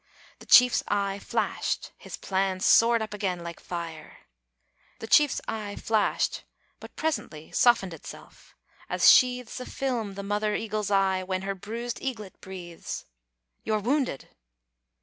The chief's eye flashed; his plans Soared up again like fire. The chief's eye flashed; but presently Softened itself, as sheathes A film the mother eagle's eye When her bruised eaglet breathes; "You're wounded!"